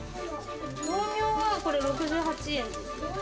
豆苗はこれ、６８円です。